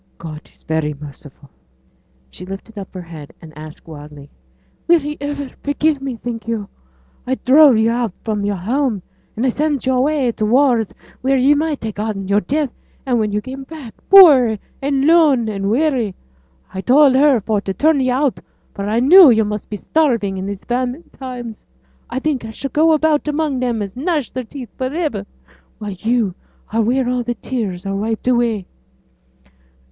God is very merciful.' She lifted up her head, and asked wildly, 'Will He iver forgive me, think yo'? I drove yo' out fra' yo'r home, and sent yo' away to t' wars, wheere yo' might ha' getten yo'r death; and when yo' come back, poor and lone, and weary, I told her for t' turn yo' out, for a' I knew yo' must be starving in these famine times. I think I shall go about among them as gnash their teeth for iver, while yo' are wheere all tears are wiped away.'